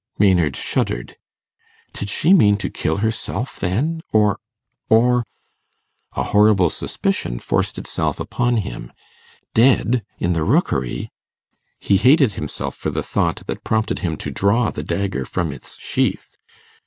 Maynard shuddered. Did she mean to kill herself, then, or ... or ... a horrible suspicion forced itself upon him. 'Dead in the Rookery.' He hated himself for the thought that prompted him to draw the dagger from its sheath.